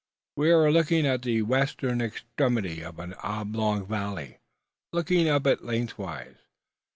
We are at the western extremity of an oblong valley, looking up it lengthwise.